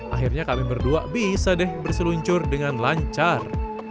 akhirnya kami berdua bisa deh berseluncur dengan lancar